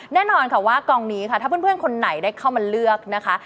แน่นอนค่ะว่ากองนี้ค่ะถ้าเพื่อนคนไหนได้เข้ามาเลือกนะคะ